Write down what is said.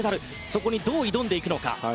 そこにどう挑んでいくのか。